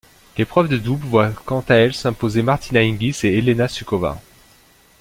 L'épreuve de double voit quant à elle s'imposer Martina Hingis et Helena Suková.